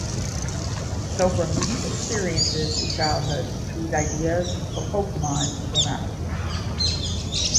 So from these experiences in childhood, these ideas for Pokemon came out.